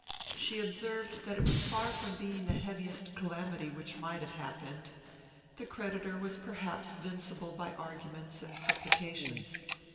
She observed that it was far from being the heaviest calamity which might have happened. The creditor was perhaps vincible by arguments and supplications.